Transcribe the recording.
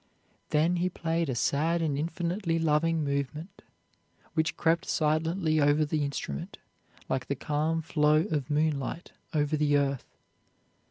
Then he played a sad and infinitely lovely movement, which crept gently over the instrument, like the calm flow of moonlight over the earth.